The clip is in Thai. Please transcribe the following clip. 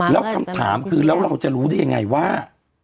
แล้วคำถามคือแล้วเราจะรู้ได้ยังไงว่า